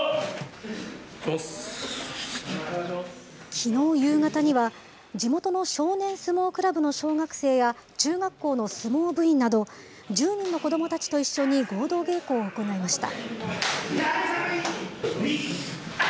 きのう夕方には、地元の少年相撲クラブの小学生や中学校の相撲部員など、１０人の子どもたちと一緒に合同稽古を行いました。